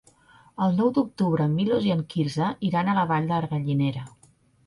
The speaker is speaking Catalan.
El nou d'octubre en Milos i en Quirze iran a la Vall de Gallinera.